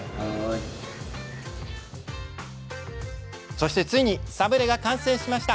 そして、ついにサブレが完成しました。